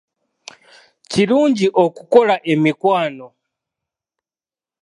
Kirungi okukola emikwano.